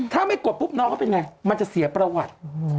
ถ้าไม่กดปุ๊บน้องเขาเป็นไงมันจะเสียประวัติ